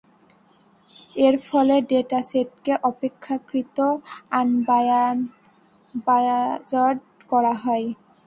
এরফলে ডেটাসেটকে অপেক্ষাকৃত আনবায়াজড করা হয়।